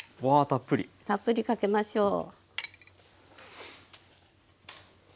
たっぷりかけましょう。